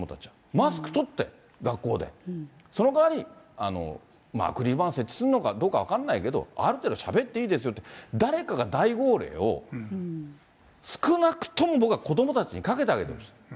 マスク取って、学校で、その代わり、アクリル板設置するのかどうか分かんないけど、ある程度、しゃべっていいですよって、誰かが大号令を少なくとも僕は子どもたちにかけてあげてほしい。